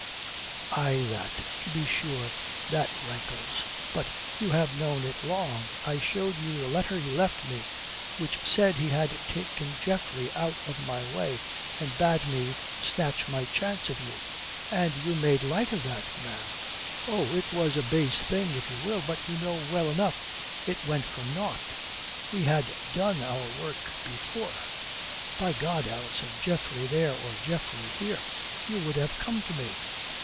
"Aye, that. To be sure, that rankles. But you have known it long. I showed you the letter he left me which said he had taken Geoffrey out of my way and bade me snatch my chance of you. And you made light of that, ma'am. Oh, it was a base thing, if you will, but you know well enough it went for nought. We had done our work before. By God, Alison, Geoffrey there or Geoffrey here, you would have come to me."